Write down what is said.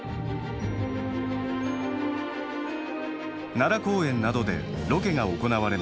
奈良公園などでロケが行われました。